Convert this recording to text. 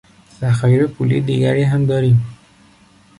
ذخایر پولی دیگری هم داریم.